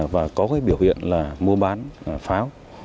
và có biểu hiện mua bán pháo